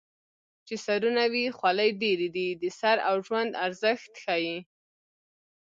چې سرونه وي خولۍ ډېرې دي د سر او ژوند ارزښت ښيي